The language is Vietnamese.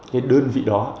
cái đơn vị đó